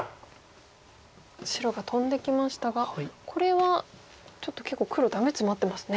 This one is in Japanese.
白がトンできましたがこれはちょっと結構黒ダメツマってますね。